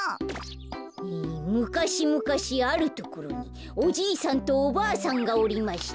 「むかしむかしあるところにおじいさんとおばあさんがおりました。